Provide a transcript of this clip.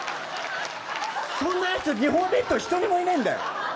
そんなやつ日本列島１人もいないんだよ。